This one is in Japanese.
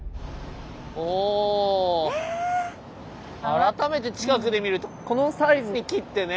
改めて近くで見るとこのサイズに切ってね